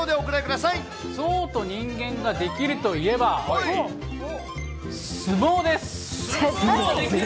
象と人間ができるといえば、相撲です。